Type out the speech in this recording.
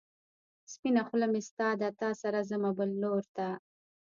سپينه خلۀ مې ستا ده، تا سره ځمه بل لور ته